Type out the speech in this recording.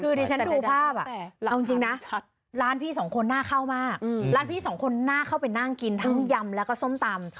คือที่ฉันดูภาพเอาจริงนะร้านพี่สองคนน่าเข้ามากร้านพี่สองคนน่าเข้าไปนั่งกินทั้งยำแล้วก็ส้มตำ